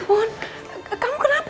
maaf bergil daftar brothers dan ibu